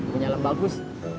punya helm bagus